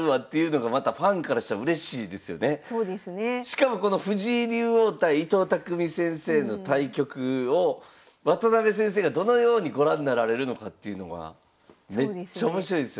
しかもこの藤井竜王対伊藤匠先生の対局を渡辺先生がどのようにご覧になられるのかっていうのはめっちゃ面白いですよね。